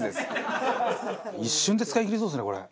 一瞬で使いきりそうですねこれ。